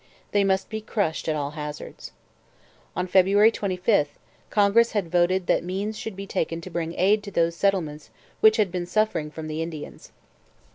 They must be crushed at all hazards. On February 25 Congress had voted that means should be taken to bring aid to those settlements which had been suffering from the Indians.